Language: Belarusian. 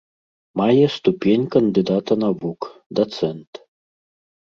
Мае ступень кандыдата навук, дацэнт.